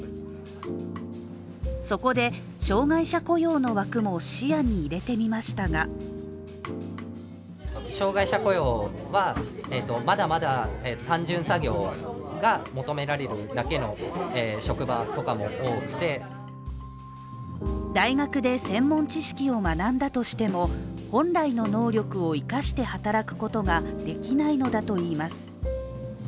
そこで障害者雇用の枠も視野に入れてみましたが大学で専門知識を学んだとしても本来の能力を生かして働くことができないのだといいます。